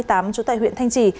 trốn tại huyện thanh trì